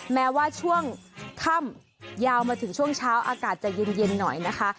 แม้ว่าช่วงค่ำยาวมาถึงช่วงเช้าอากาศจะเย็นหน่อยนะคะ